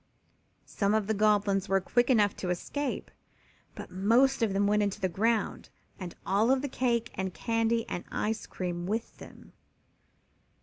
Some of the Goblins were quick enough to escape, but most of them went into the ground, and all the cake and candy and ice cream with them.